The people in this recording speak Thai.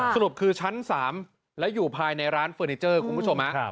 สรุปคือชั้น๓แล้วอยู่ภายในร้านเฟอร์นิเจอร์คุณผู้ชมฮะ